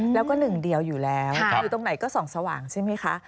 แล้วก็หนึ่งเดียวอยู่แล้วอยู่ตรงไหนก็ส่องสว่างใช่ไหมคะ